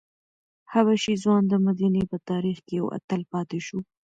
حبشي ځوان د مدینې په تاریخ کې یو اتل پاتې شو.